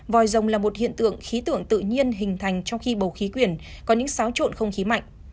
vòi rồng là một hiện tượng khí tượng tự nhiên hình thành trong khi bầu khí quyển có những xáo trộn không khí mạnh